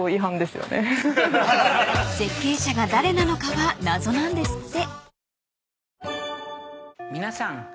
［設計者が誰なのかは謎なんですって］